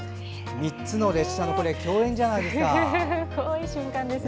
３つの列車の共演じゃないですか。